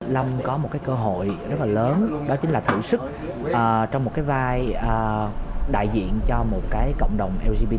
năm có một cơ hội rất là lớn đó chính là thử sức trong một vai đại diện cho một cộng đồng lgbt